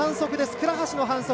倉橋の反則。